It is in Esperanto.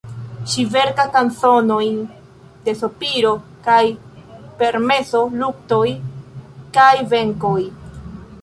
Ŝi verkas kanzonojn de sopiro kaj permeso, luktoj kaj venkoj.